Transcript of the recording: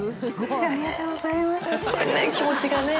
気持ちがね。